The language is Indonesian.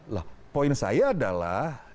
lah poin saya adalah